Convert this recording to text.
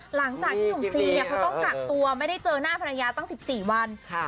หลังจากที่หลวงซีเนี้ยเขาต้องกักตัวไม่ได้เจอหน้าพรรยาตั้งสิบสี่วันค่ะ